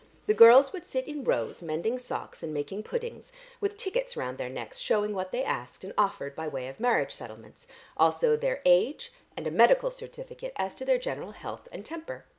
The girls would sit in rows mending socks and making puddings, with tickets round their necks shewing what they asked and offered by way of marriage settlements, also their age and a medical certificate as to their general health and temper.